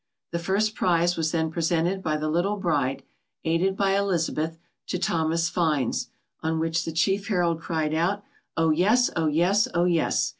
The first prize was then presented by the little bride, aided by Elizabeth, to Thomas Fynes, on which the chief herald cried out, "Oh yes! oh yes! oh yes!